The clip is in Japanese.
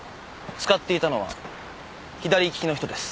使っていたのは左利きの人です。